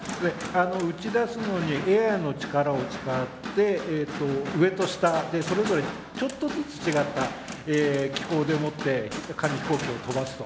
打ち出すのにエアの力を使って上と下でそれぞれちょっとずつ違った機構でもって紙飛行機を飛ばすと。